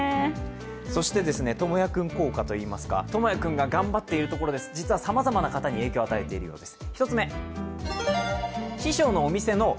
そして智弥君効果といいますか智弥君が頑張っていることで実はさまざまな方に影響を与えているようです。